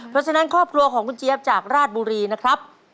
เพราะฉะนั้นครอบครัวของคุณเจี๊ยบจากราชบุรีนะครับ